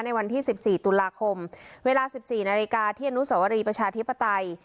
ในวันที่สิบสี่ตุลาคมเวลาสิบสี่นาฬิกาที่อนุสวรีประชาธิปไตย